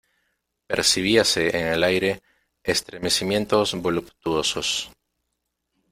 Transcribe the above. percibíase en el aire estremecimientos voluptuosos.